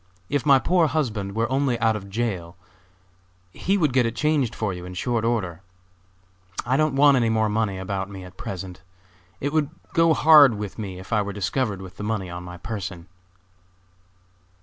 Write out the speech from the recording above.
If my poor husband were only out of jail he would get it changed for you in short order. I don't want any more money about me at present; it would go hard with me if I were discovered with the money on my person."